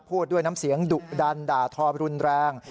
พูดด้วยน้ำเสียงดุดันด่าทอรุนแรง